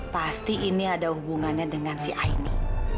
pasti ini ada hubungannya dengan si aini